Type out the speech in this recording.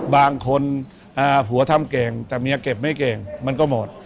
บางคนผัวทำเก่งแต่เมียเก็บไม่เก่งมันก็หมด